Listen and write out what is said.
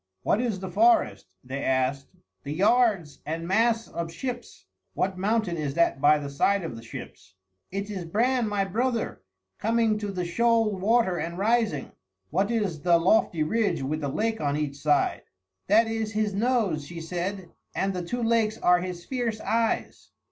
"What is the forest?" they asked. "The yards and masts of ships." "What mountain is that by the side of the ships?" "It is Bran my brother, coming to the shoal water and rising." "What is the lofty ridge with the lake on each side?" "That is his nose," she said, "and the two lakes are his fierce eyes."